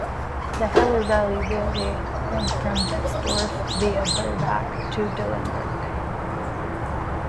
The Heller Valley Railway, runs from Betzdorf via Burbach to Dillenburg.